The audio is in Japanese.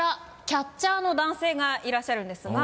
キャッチャーの男性がいらっしゃるんですが。